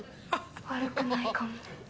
悪くないかも。